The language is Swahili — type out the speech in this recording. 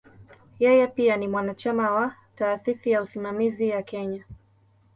Yeye pia ni mwanachama wa "Taasisi ya Usimamizi ya Kenya".